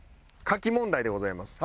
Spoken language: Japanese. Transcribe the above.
書き問題でございます。